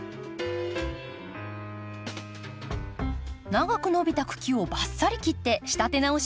長く伸びた茎をバッサリ切って仕立て直しました。